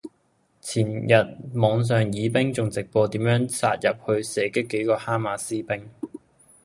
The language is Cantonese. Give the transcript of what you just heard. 前日網上以兵仲直播點樣殺入去射擊幾個哈馬斯兵。